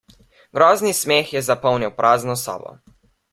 Grozni smeh je zapolnil prazno sobo.